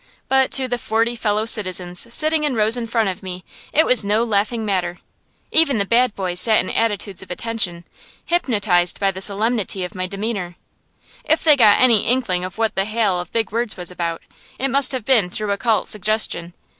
But to the forty Fellow Citizens sitting in rows in front of me it was no laughing matter. Even the bad boys sat in attitudes of attention, hypnotized by the solemnity of my demeanor. If they got any inkling of what the hail of big words was about, it must have been through occult suggestion.